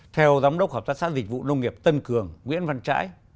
theo giám đốc hợp tác xã dịch vụ nông nghiệp tân cường nguyễn văn trãi